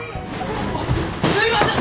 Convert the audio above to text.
あっすいません。